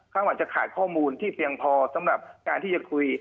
เขาอาจจะขาดข้อมูลที่เพียงพอสำหรับการที่จะคุย